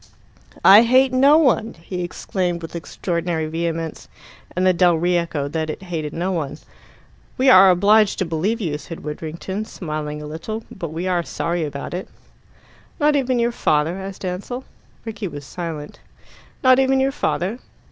"I hate no one," he exclaimed with extraordinary vehemence, and the dell re echoed that it hated no one. "We are obliged to believe you," said Widdrington, smiling a little "but we are sorry about it." "Not even your father?" asked Ansell. Rickie was silent. "Not even your father?"